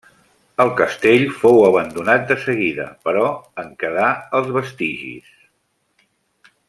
El castell fou abandonat de seguida, però en quedà els vestigis.